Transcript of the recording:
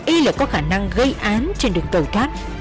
y là có khả năng gây án trên đường tàu thoát